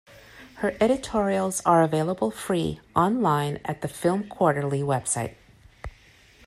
Her editorials are available free online at the "Film Quarterly" website.